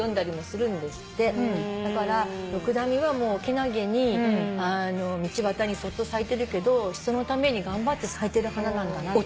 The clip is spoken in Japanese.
だからドクダミはけなげに道ばたにそっと咲いてるけど人のために頑張って咲いてる花なんだなって。